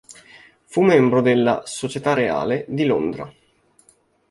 Fu membro della "Società Reale" di Londra.